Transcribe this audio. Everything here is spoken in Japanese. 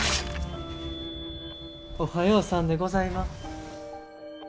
おはようさんでございます。